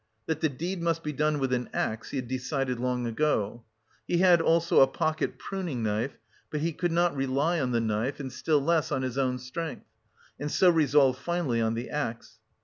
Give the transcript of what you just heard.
That the deed must be done with an axe he had decided long ago. He had also a pocket pruning knife, but he could not rely on the knife and still less on his own strength, and so resolved finally on the axe.